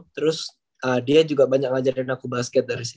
terus dia juga banyak ngajarin aku basket dari sini